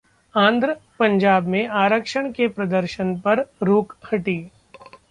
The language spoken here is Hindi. आंध्र, पंजाब में 'आरक्षण' के प्रदर्शन पर रोक हटी